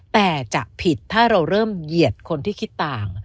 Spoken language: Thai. แต่จะผิดถ้าเราเริ่มเหยียดคนที่คิดต่าง